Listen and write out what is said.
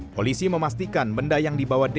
polisi memastikan benda yang dibawa